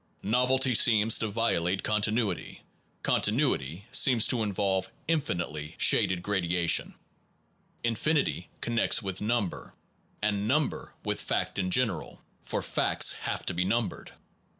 Novelty seems to vio late continuity; continuity seems to involve Novelty infinitely shaded gradation; infin and the infinite ity connects with number; and num ber with fact in general for facts have to be numbered.